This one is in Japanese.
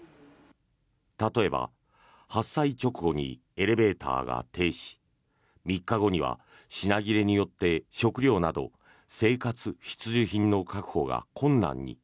例えば、発災直後にエレベーターが停止３日後には品切れによって食料など生活必需品の確保が困難に。